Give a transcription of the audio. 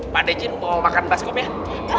pak deji mau makan baskop ya